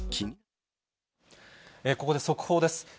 ここで速報です。